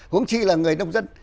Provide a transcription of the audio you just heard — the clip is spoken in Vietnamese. hướng chi là người nông dân